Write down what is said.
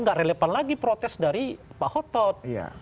nggak relevan lagi protes dari pak hotot